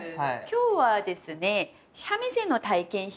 今日はですね